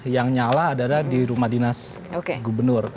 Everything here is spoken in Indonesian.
yang nyala adalah di rumah dinas gubernur